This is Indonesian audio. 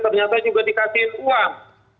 ternyata juga dikasih uang